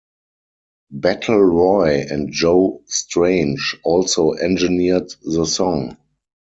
Battle Roy and Joe Strange also engineered the song.